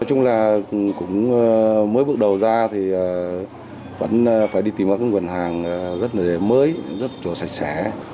nói chung là cũng mới bước đầu ra thì vẫn phải đi tìm các nguồn hàng rất là mới rất sạch sẽ